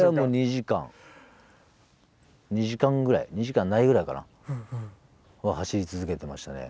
２時間２時間ぐらい２時間ないぐらいかな？は走り続けてましたね。